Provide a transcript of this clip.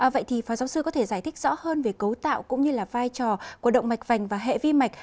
vậy thì phó giáo sư có thể giải thích rõ hơn về cấu tạo cũng như là vai trò của động mạch vành và hệ vi mạch